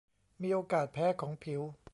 มีโอกาสแพ้ของผิว